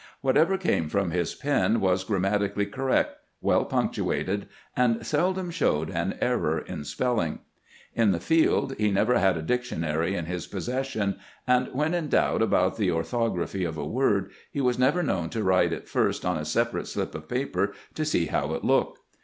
Whatever came from his pen was grammatically correct, well punctuated, and seldom showed an error in spelling. In the .field he never had a dictionary in his possession, and when in doubt about the orthography of a word, he was never known to write it first on a separate slip of paper to see how it looked.